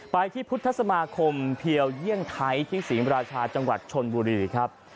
ไปที่พุทธสมาคมเพียวเยี่ยงไทยที่ศรีมราชาจังหวัดชนบุรีครับ